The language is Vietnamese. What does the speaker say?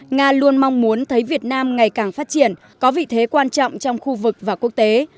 nga luôn mong muốn thấy việt nam ngày càng phát triển có vị thế quan trọng trong khu vực và quốc tế